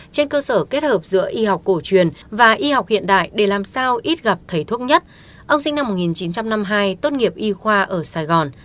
trên cơ sở kết hợp giữa y học cổ truyền và y học hiện đại để làm sao ít gặp thầy thuốc nhất ông sinh năm một nghìn chín trăm năm mươi hai tốt nghiệp y khoa ở sài gòn